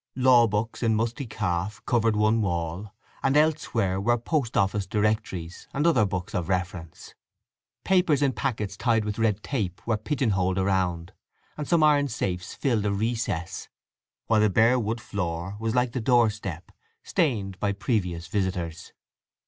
Law books in musty calf covered one wall, and elsewhere were post office directories, and other books of reference. Papers in packets tied with red tape were pigeon holed around, and some iron safes filled a recess, while the bare wood floor was, like the door step, stained by previous visitors.